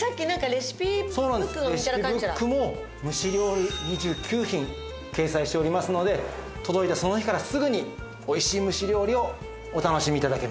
レシピブックも蒸し料理２９品掲載しておりますので届いたその日からすぐにおいしい蒸し料理をお楽しみ頂けます。